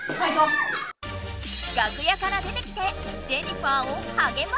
「楽屋から出てきてジェニファーをはげました！」。